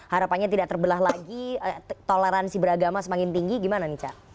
harapannya tidak terbelah lagi toleransi beragama semakin tinggi gimana nih cak